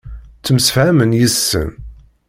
Ttemsefhamen yid-sen.